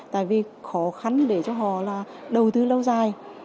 tại vì khó khăn để cho họ là đầu tư lâu dài